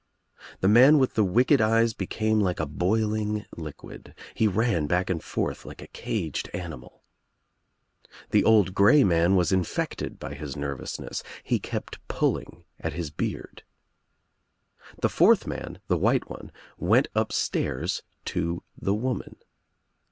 The man with the wicked eyes became like a boiling liquid — he ran back and forth like a caged animal. The old grey man was infected by his nervousness — he kept pulling at his beard. The fourth man, the white one, went upstairs to the woman.